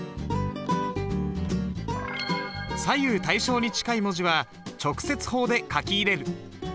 左右対称に近い文字は直接法で書き入れる。